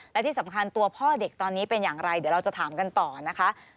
และที่สำคัญตัวพ่อเด็กตอนนี้เป็นอย่างไรเดี๋ยวเราจะถามกันต่อนะคะ